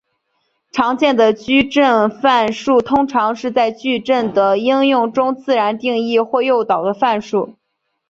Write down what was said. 常见的矩阵范数通常是在矩阵的应用中自然定义或诱导的范数。